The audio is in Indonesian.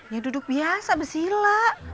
ya duduk biasa besila